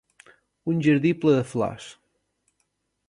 Un jardí ple de flors.